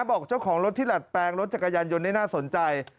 บอกเจ้าของรถที่หลัดแปลงรถจักรยานยนต์นี่น่าสนใจ